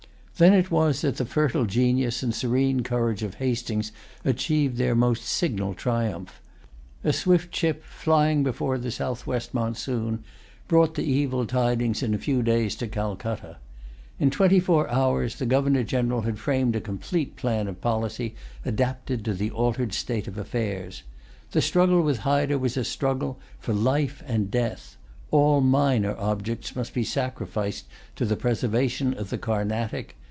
Then it was that the fertile genius and serene courage of Hastings achieved their most signal triumph. A swift ship, flying before the southwest monsoon, brought the evil tidings in a few days to Calcutta. In twenty four hours the Governor General had framed a complete plan of policy adapted to the altered state of affairs. The struggle with Hyder was a struggle, for life and death. All minor objects must be sacrificed to the preservation of the Carnatic.